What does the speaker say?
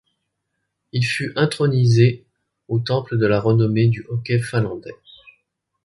Il fut intronisé au Temple de la Renommée du Hockey Finlandais.